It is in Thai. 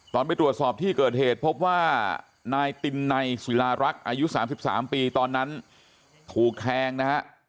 ไปตรวจสอบที่เกิดเหตุพบว่านายตินไนศิลารักษ์อายุ๓๓ปีตอนนั้นถูกแทงนะฮะ